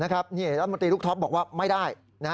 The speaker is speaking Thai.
รัฐมนตรีลูกท็อปบอกว่าไม่ได้